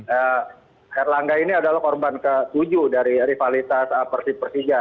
karena herlangga ini adalah korban ke tujuh dari rivalitas persija